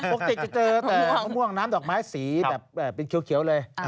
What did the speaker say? ปกติจะเจอแต่มะม่วงน้ำดอกไม้สีแบบเป็นเขียวเลย